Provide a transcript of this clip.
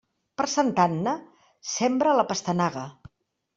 Per Santa Anna, sembra la pastanaga.